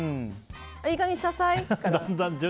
いい加減にしなさい。